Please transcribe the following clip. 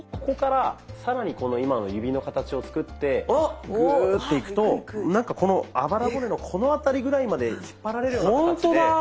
ここから更にこの今の指の形を作ってグーッていくとなんかこのあばら骨のこの辺りぐらいまで引っ張られるような形で。